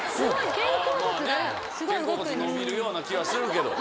肩甲骨伸びるような気はするけど。